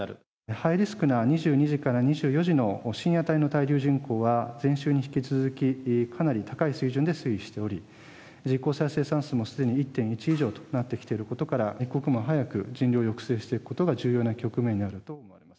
ハイリスクな２２時から２４時の深夜帯の滞留人口は、前週に引き続きかなり高い水準で推移しており、実効再生産数もすでに１．１以上となってきていることから、一刻も早く人流を抑制していくことが重要な局面になると。